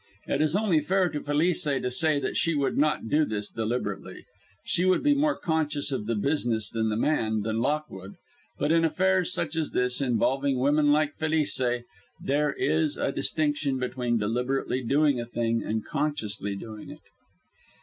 It is only fair to Felice to say that she would not do this deliberately. She would be more conscious of the business than the man, than Lockwood; but in affairs such as this, involving women like Felice, there is a distinction between deliberately doing a thing and consciously doing it.